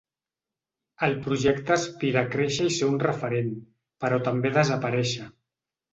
El projecte aspira a créixer i ser un referent, però també a desaparèixer.